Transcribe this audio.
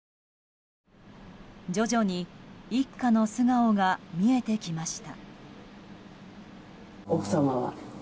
徐々に一家の素顔が見えてきました。